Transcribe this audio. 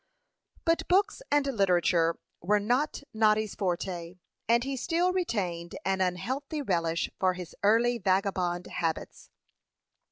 But books and literature were not Noddy's forte, and he still retained an unhealthy relish for his early vagabond habits.